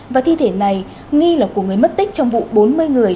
và thi thể này nghi là của người mất tích trong vụ bốn mươi người